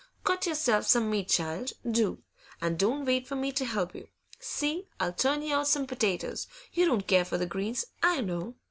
Cut yourself some meat, child, do, and don't wait for me to help you. See, I'll turn you out some potatoes; you don't care for the greens, I know.